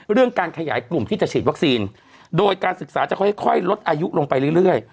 เรื่องการขยายกลุ่มที่จะฉีดวัคซีนโดยการศึกษาจะค่อยลดอายุลงไปเรื่อย